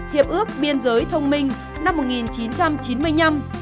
hiệp ước biên giới thông minh năm một nghìn chín trăm chín mươi năm